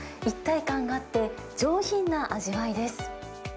一体感があって、上品な味わいです。